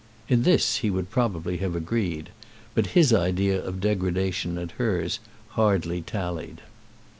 In this he would probably have agreed; but his idea of degradation and hers hardly tallied.